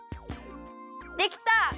できた！